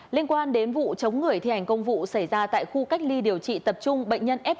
liên quan đến vụ chống người thi hành công vụ xảy ra tại khu cách ly điều trị tập trung bệnh nhân f hai